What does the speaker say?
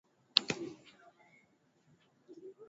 abbott alitoa nafasi katika mashua ya kuokolea